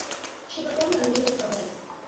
She performed on radio programs.